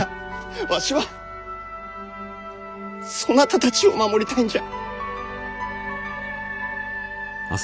わしはそなたたちを守りたいんじゃ。